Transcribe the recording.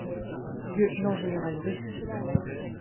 Lieutenant-général russe.